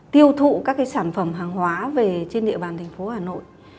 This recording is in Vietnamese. tiêu thụ các sản phẩm hàng hóa về trên địa bàn thành phố hà nội